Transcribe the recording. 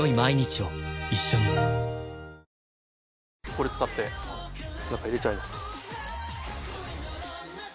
これ使って中入れちゃいます